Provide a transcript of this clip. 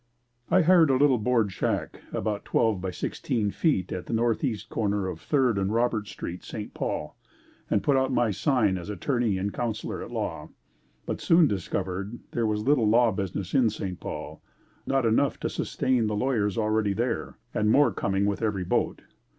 I hired a little board shack about twelve by sixteen feet at the Northeast corner of Third and Roberts Streets, St. Paul, and put out my sign as Attorney and Counselor at Law, but soon discovered there was little law business in St. Paul, not enough to sustain the lawyers already there and more coming with every boat.